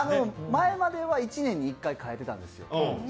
前までは１年に１回かえてたんですよ。